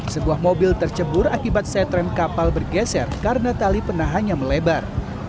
sebuah mobil tercebur akibat setren kapal bergeser karena tali penahannya melebar